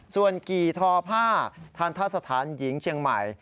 ส่วนกี่ทอผ้าทันทะสถานหญิงเชียงใหม่